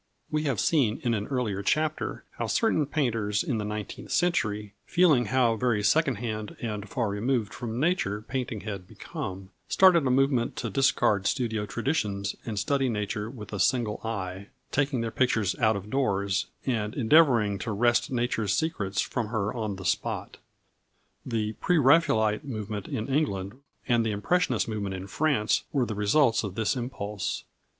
We have seen in an earlier chapter how certain painters in the nineteenth century, feeling how very second hand and far removed from nature painting had become, started a movement to discard studio traditions and study nature with a single eye, taking their pictures out of doors, and endeavouring to wrest nature's secrets from her on the spot. The Pre Raphaelite movement in England and the Impressionist movement in France were the results of this impulse.